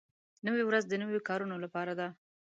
نوې ورځ د نویو کارونو لپاره ده